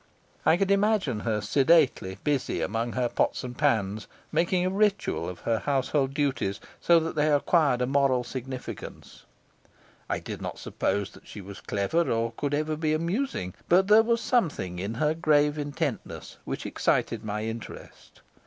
I could imagine her sedately busy among her pots and pans, making a ritual of her household duties, so that they acquired a moral significance; I did not suppose that she was clever or could ever be amusing, but there was something in her grave intentness which excited my interest.